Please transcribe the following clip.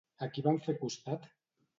A qui van fer costat?